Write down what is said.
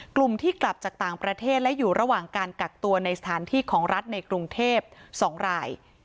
กลุ่มที่กลับจากต่างประเทศและอยู่ระหว่างการกักตัวในสถานที่ของรัฐในกรุงเทพ๒ราย